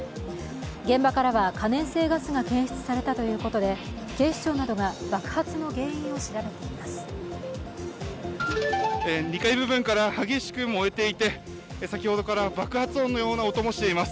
現場からは可燃性ガスが検出されたということで警視庁などが爆発の原因を調べています。